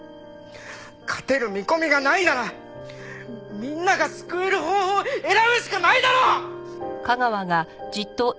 勝てる見込みがないならみんなが救える方法を選ぶしかないだろ！！